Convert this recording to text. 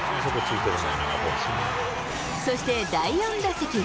そして第４打席。